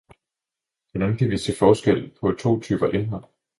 Hvordan vi kan se forskel på to typer indhold.